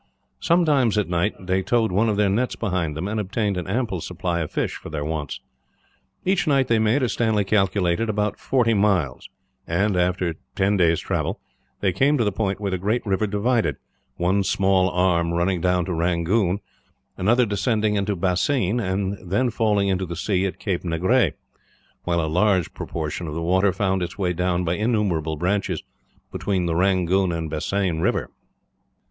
Sometimes at night they towed one of their nets behind them, and obtained an ample supply of fish for their wants. Each night they made, as Stanley calculated, about forty miles and, after ten days' travel, they came to the point where the great river divided, one small arm running down to Rangoon; another descending to Bassein, and then falling into the sea at Cape Negrais; while a large proportion of the water found its way down by innumerable branches between the Rangoon and Bassein rivers.